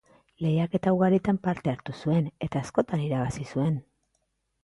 Lehiaketa ugaritan parte hartu zuen eta askotan irabazi zuen.